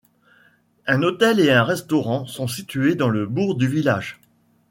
Un hôtel et un restaurant sont situés dans le bourg du village.